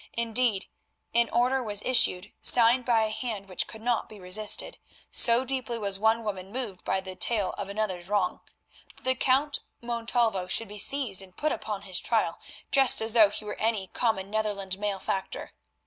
Indeed, an order was issued, signed by a hand which could not be resisted—so deeply was one woman moved by the tale of another's wrong—that the Count Montalvo should be seized and put upon his trial, just as though he were any common Netherland malefactor.